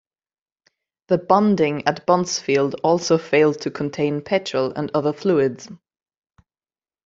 The bunding at Buncefield also failed to contain petrol and other fluids.